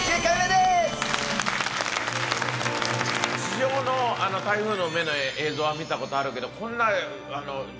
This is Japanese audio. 地上の台風の目の映像は見たことあるけどこんな。